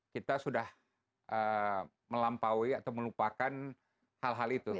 kita sudah melampaui atau melupakan hal hal itu